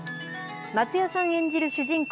松也さん演じる主人公